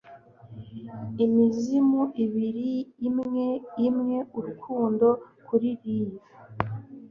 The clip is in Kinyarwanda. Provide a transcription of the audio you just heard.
Imizimu ibiri imwe-imwe, urukundo kuri reel,